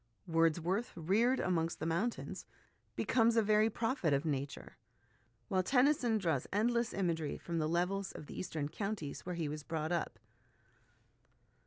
Wordsworth, reared amongst the mountains, becomes a very prophet of Nature ; while Tennyson draws endless imagery from the levels of the eastern counties where he was brought up.